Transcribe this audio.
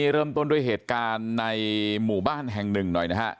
เริ่มต้นด้วยเหตุการณ์ในหมู่บ้านแห่งหนึ่งหน่อยนะฮะ